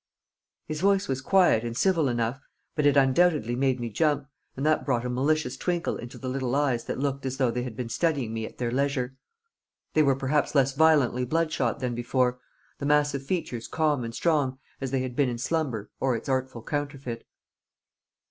His voice was quiet and civil enough, but it undoubtedly made me jump, and that brought a malicious twinkle into the little eyes that looked as though they had been studying me at their leisure. They were perhaps less violently bloodshot than before, the massive features calm and strong as they had been in slumber or its artful counterfeit.